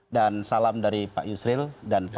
dan salam dari pak yusril dan pak afan